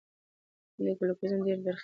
نیولوګیزم ډېري برخي لري.